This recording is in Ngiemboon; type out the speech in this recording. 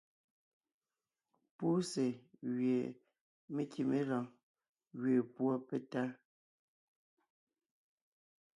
Púse gwie me kíme lɔɔn gẅeen púɔ petá.